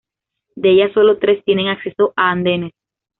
De ellas, sólo tres tienen acceso a andenes.